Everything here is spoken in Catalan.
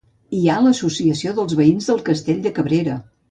Hi ha l'Associació de Veïns del Castell de Cabrera.